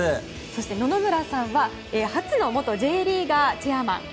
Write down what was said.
そして、野々村さんは初の元Ｊリーガーチェアマン。